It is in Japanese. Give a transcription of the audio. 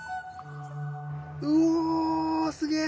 うおすげえ！